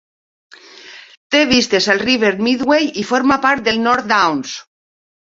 Té vistes al River Medway i forma part del North Downs.